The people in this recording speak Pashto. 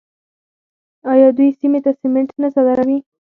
آیا دوی سیمې ته سمنټ نه صادروي؟